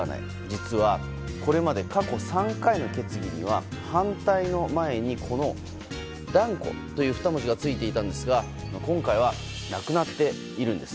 実はこれまで過去３回の決議には反対の前に断固という２文字がついていたんですが今回はなくなっているんです。